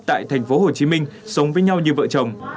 tại thành phố hồ chí minh sống với nhau như vợ chồng